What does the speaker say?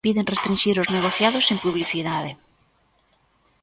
Piden restrinxir os negociados sen publicidade.